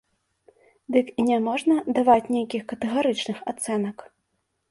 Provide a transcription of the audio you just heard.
Дык і не можна даваць нейкіх катэгарычных ацэнак.